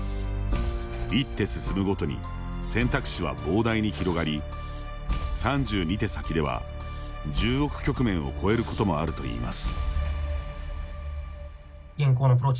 一手進むごとに選択肢は膨大に広がり、３２手先では１０億局面を超えることもあるといいます。